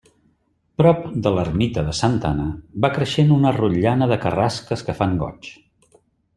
Prop de l'ermita de Santa Anna va creixent una rotllana de carrasques que fan goig.